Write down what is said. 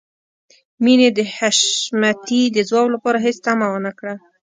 مينې د حشمتي د ځواب لپاره هېڅ تمه ونه کړه.